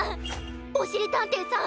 おしりたんていさん